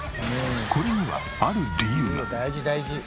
これにはある理由が。